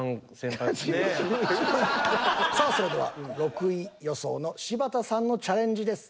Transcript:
さあそれでは６位予想の柴田さんのチャレンジです。